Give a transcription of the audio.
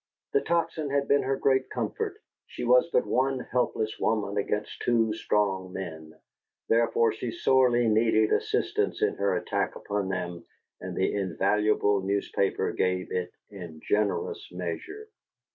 The Tocsin had been her great comfort: she was but one helpless woman against two strong men; therefore she sorely needed assistance in her attack upon them, and the invaluable newspaper gave it in generous measure.